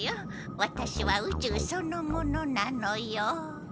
ワタシは宇宙そのものなのよ。